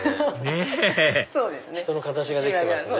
ねぇ人の形ができてますね。